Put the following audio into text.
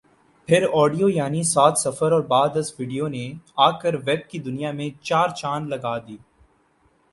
پھر آڈیو یعنی ص سفر اور بعد آز ویڈیو نے آکر ویب کی دنیا میں چارہ چاند لگا د